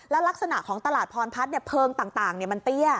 ลักษณะของตลาดพรพัฒน์เพลิงต่างมันเตี้ย